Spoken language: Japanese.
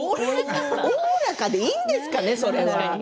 おおらかでいいんですかねそれは。